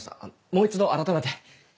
もう一度改めて。